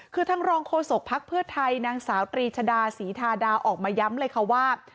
คือทางรองโฆษกภักดิ์เพื่อไทยนางสาวตรีชดาศรีทาดาออกมาย้ำเลยค่ะว่า